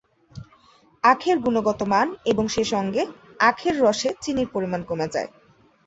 আখের গুণগত মান এবং সেসঙ্গে আখের রসে চিনির পরিমাণ কমে যায়।